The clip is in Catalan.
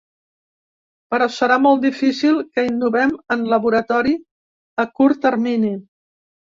Però serà molt difícil que innovem en laboratori a curt termini.